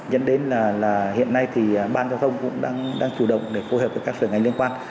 dẫn đến là hiện nay thì ban giao thông cũng đang chủ động để phù hợp với các sở ngành liên quan